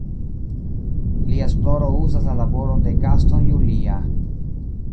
Lia esploro uzas la laboron de Gaston Julia.